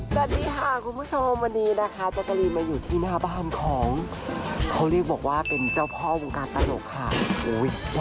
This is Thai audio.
สวัสดีค่ะคุณผู้ชมวันนี้นะคะแจ๊กกะลีนมาอยู่ที่หน้าบ้านของเขาเรียกบอกว่าเป็นเจ้าพ่อวงการตลกค่ะ